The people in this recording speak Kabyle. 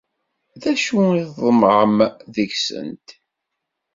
D acu i tḍemεem deg-sent?